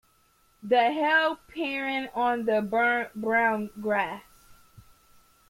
The hail pattered on the burnt brown grass.